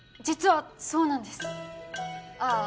実はそうなんですあ